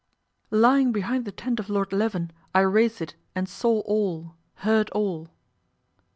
"Lying behind the tent of Lord Leven, I raised it and saw all, heard all!"